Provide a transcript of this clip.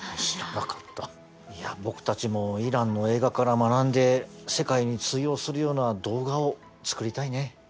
僕たちもイランの映画から学んで世界に通用するような動画を作りたいね。